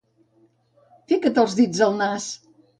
Fica't els dits al nas!